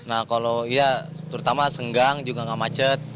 nah kalau ya terutama senggang juga gak macet